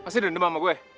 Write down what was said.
masih dendam sama gue